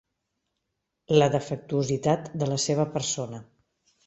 La defectuositat de la seva persona.